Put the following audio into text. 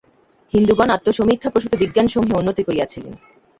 হিন্দুগণ আত্মসমীক্ষাপ্রসূত বিজ্ঞানসমূহে উন্নতি করিয়াছিলেন।